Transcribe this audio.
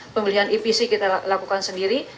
pembelian epc kita lakukan sendiri